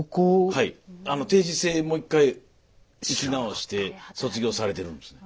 はい定時制もう一回行き直して卒業されてるんですね。